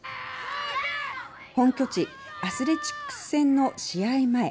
本拠地アスレチックス戦の試合前。